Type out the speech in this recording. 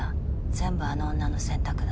全部あの女の選択だ。